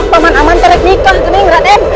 paman aman terik nikah gening raten